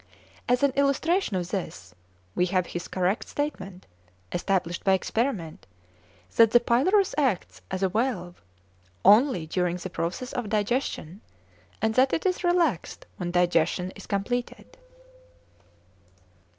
As an illustration of this, we have his correct statement, established by experiment, that the pylorus acts as a valve only during the process of digestion, and that it is relaxed when digestion is completed.